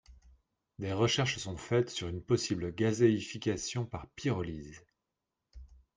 Des recherches sont faites sur une possible gazéification par pyrolyse.